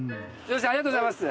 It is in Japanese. ありがとうございます。